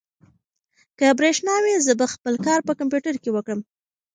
که برېښنا وي، زه به خپل کار په کمپیوټر کې وکړم.